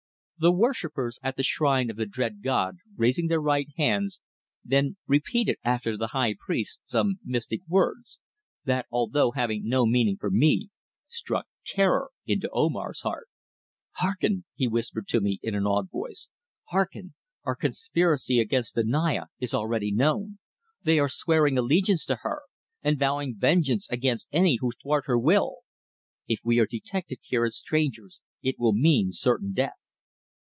The worshippers at the shrine of the dread god raising their right hands then repeated after the high priest some mystic words that, although having no meaning for me, struck terror into Omar's heart. "Hearken!" he whispered to me in an awed tone. "Hearken! Our conspiracy against the Naya is already known! They are swearing allegiance to her, and vowing vengeance against any who thwart her will. If we are detected here as strangers it will mean certain death!"